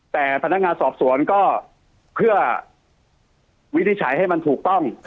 แต่พนักงานสอบสวนก็เพื่อวินิจฉัยให้มันถูกต้อง